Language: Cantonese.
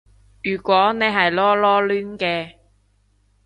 如果你係囉囉攣嘅